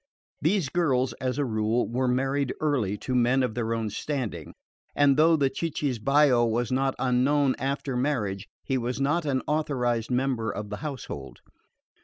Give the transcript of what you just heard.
These girls as a rule, were married early to men of their own standing, and though the cicisbeo was not unknown after marriage he was not an authorised member of the household.